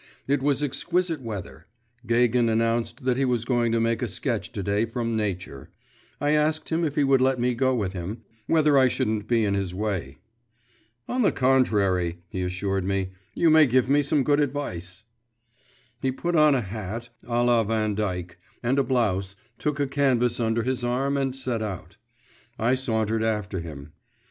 It was exquisite weather. Gagin announced that he was going to make a sketch to day from nature; I asked him if he would let me go with him, whether I shouldn't be in his way. 'On the contrary,' he assured me; 'you may give me some good advice.' He put on a hat à la Vandyck, and a blouse, took a canvas under his arm, and set out; I sauntered after him.